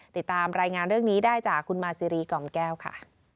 ติดตามรายงานเรื่องนี้ได้จากคุณมาซีรีกล่อมแก้วค่ะ